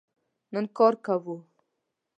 نن کار کوو